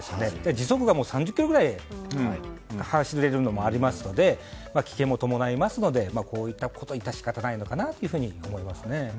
時速が３０キロぐらい走れるのもありますので危険も伴いますのでこういったことは致し方ないのかなと思います。